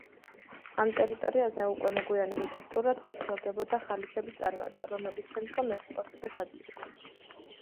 ამ ტერიტორიაზე უკვე მოგვიანებით აქტიურად ხორციელდებოდა ხალიჩების წარმოება, რომელიც შემდგომ ექსპორტზე გადიოდა.